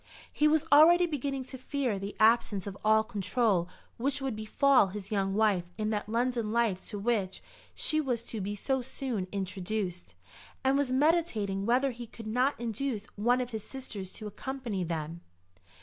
He was already beginning to fear the absence of all control which would befall his young wife in that London life to which, she was to be so soon introduced, and was meditating whether he could not induce one of his sisters to accompany them.